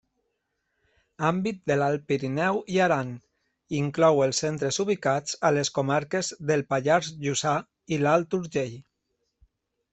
Àmbit de l'Alt Pirineu i Aran: inclou els centres ubicats a les comarques del Pallars Jussà i l'Alt Urgell.